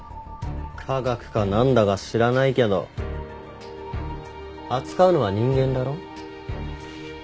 科学かなんだか知らないけど扱うのは人間だろ？